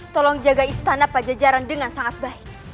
tolong jaga istana pajajaran dengan sangat baik